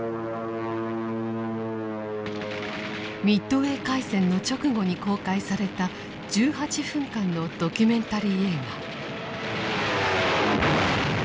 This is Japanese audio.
ミッドウェー海戦の直後に公開された１８分間のドキュメンタリー映画。